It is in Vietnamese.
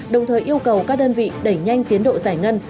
đồng thời yêu cầu các đơn vị đẩy nhanh tiến độ giải ngân